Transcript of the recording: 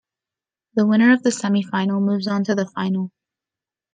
The winner of the semi-final moves on to the final.